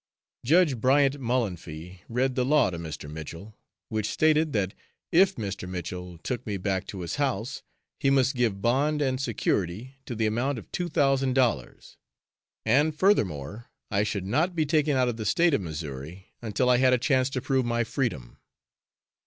Judge Bryant Mullanphy read the law to Mr. Mitchell, which stated that if Mr. Mitchell took me back to his house, he must give bond and security to the amount of two thousand dollars, and furthermore, I should not be taken out of the State of Missouri until I had a chance to prove my freedom.